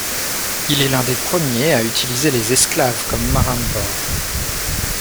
Il est l'un des premiers à utiliser les esclaves comme marins de bord.